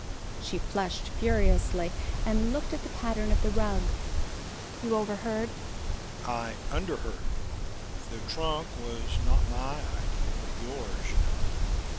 She flushed furiously, and looked at the pattern of the rug. "You overheard?" "I underheard. The trunk was not my idea but yours, you know....